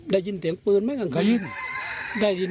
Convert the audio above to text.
ได้ยินเสียงปืนไหมเครต่ำ